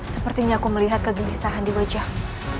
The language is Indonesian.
sepertinya aku melihat kegelisahan di wajahku